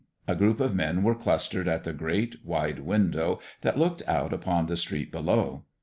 A group of men were clustered at the great, wide window that looked out upon the street below.